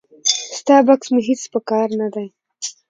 ستا بکس مې هیڅ په کار نه دی.